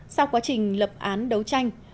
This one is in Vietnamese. sau quá trình lập án đấu tranh